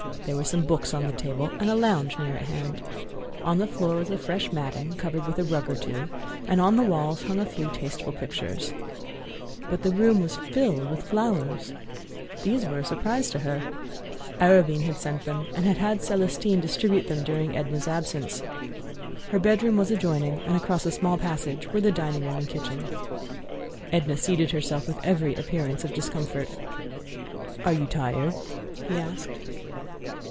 There were some books on the table and a lounge near at hand. On the floor was a fresh matting, covered with a rug or two; and on the walls hung a few tasteful pictures. But the room was filled with flowers. These were a surprise to her. Arobin had sent them, and had had Celestine distribute them during Edna's absence. Her bedroom was adjoining, and across a small passage were the dining room and kitchen. Edna seated herself with every appearance of discomfort. "Are you tired?" he asked.